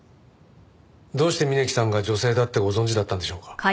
どうして峯木さんが女性だってご存じだったんでしょうか？